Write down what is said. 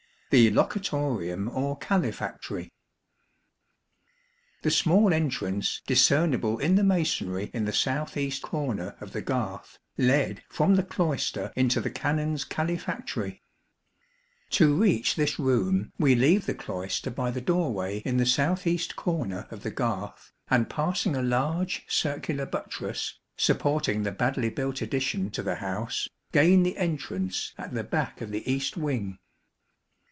The Locutorium or Calefactory. The small entrance, discernible in the masonry in the south east corner of the garth, led from the cloister into the Canons' calefactory. 29 To reach this room we leave the cloister by the doorway in the south east corner of the garth, and passing a large circular buttress, supporting the badly built addition to the house, gain the entrance at the back of the east wing.